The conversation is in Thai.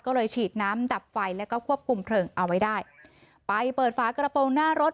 ก็เลยฉีดน้ำดับไฟแล้วก็ควบคุมเพลิงเอาไว้ได้ไปเปิดฝากระโปรงหน้ารถ